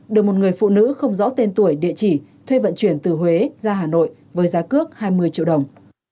được một người phụ nữ không rõ tên tuổi địa chỉ thuê vận chuyển từ huế ra hà nội với giá cước hai mươi triệu đồng